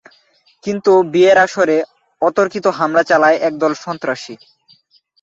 কিন্তু বিয়ের আসরে অতর্কিত হামলা চালায় একদল সন্ত্রাসী।